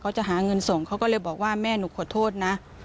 จะหาเงินส่งเขาก็เลยบอกว่าแม่หนูขอโทษนะ